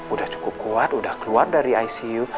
udah cukup kuat udah keluar dari icu